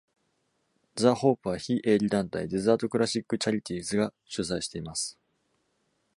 「The Hope」は、非営利団体 Desert Classic Charities が主催しています。